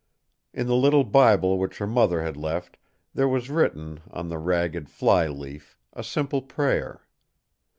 In the little Bible which her mother had left there was written, on the ragged fly leaf, a simple prayer.